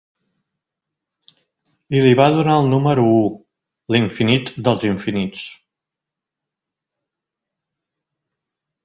I li va donar el número u, l'infinit dels infinits.